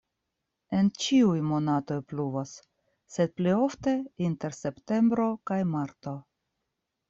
En ĉiuj monatoj pluvas, sed pli ofte inter septembro kaj marto.